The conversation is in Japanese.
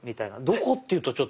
どこっていうとちょっと。